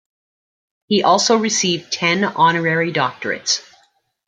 He also received ten honorary doctorates.